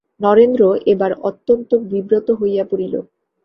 নরেন্দ্র এবার অত্যন্ত বিব্রত হইয়া পড়িল।